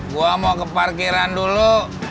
gue mau ke parkiran dulu